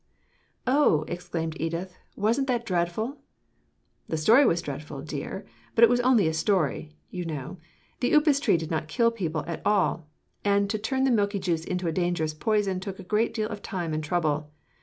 "Oh," exclaimed Edith, "wasn't that dreadful?" "The story was dreadful, dear, but it was only a story, you know: the upas tree did not kill people at all; and to turn the milky juice into a dangerous poison took a great deal of time and trouble.